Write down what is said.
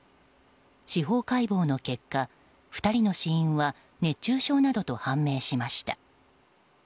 司法解剖の結果、２人の死因は熱中症などと判明しました。